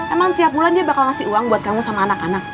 emang tiap bulan dia bakal ngasih uang buat kamu sama anak anak